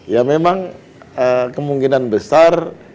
ya memang kemungkinan besar